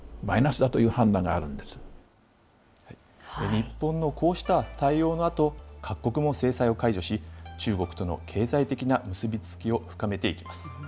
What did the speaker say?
日本のこうした対応のあと、各国も制裁を解除し、中国との経済的な結び付きを深めていきます。